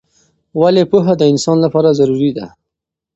ولې پوهه د انسان لپاره ضروری ده؟